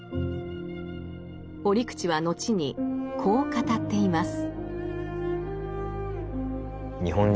折口は後にこう語っています。